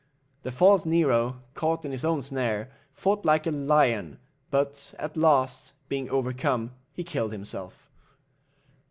The false Nero, caught in his own snare, fought like a lion, but at last, being overcome, he killed himself.